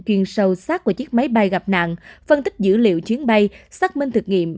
chuyên sâu sát vào chiếc máy bay gặp nạn phân tích dữ liệu chuyến bay xác minh thực nghiệm